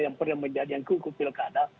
yang pernah menjadi anggung kupilkada